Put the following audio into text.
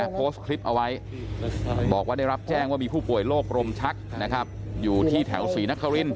โพสต์คลิปเอาไว้บอกว่าได้รับแจ้งว่ามีผู้ป่วยโรคลมชักนะครับอยู่ที่แถวศรีนคริน